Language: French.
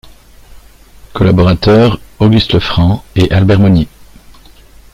Collaborateurs Auguste Lefranc et Albert Monnier.